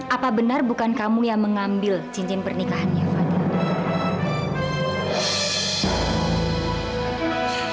apa benar bukan kamu yang mengambil cincin pernikahannya fadli